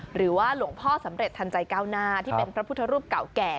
หรือว่าหลวงพ่อสำเร็จทันใจก้าวหน้าที่เป็นพระพุทธรูปเก่าแก่